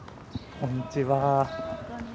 こんにちは。